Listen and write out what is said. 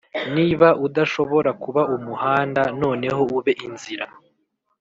niba udashobora kuba umuhanda noneho ube inzira,